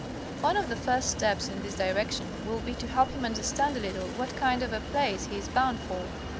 One of the first steps in this direction will be to help him understand a little what kind of a place he is bound for.